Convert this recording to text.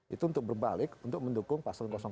itu untuk berbalik untuk mendukung paslon satu